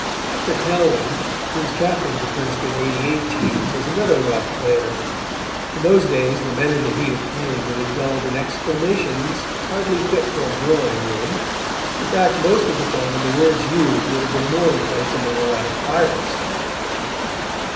Hector Cowan, who was captain of the Princeton '88 team was another rough player. In those days the men in the heat of playing would indulge in exclamations hardly fit for a drawing room. In fact most of the time the words used would have been more in place among a lot of pirates.